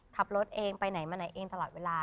ขับรถเองไปไหนมาไหนเองตลอดเวลา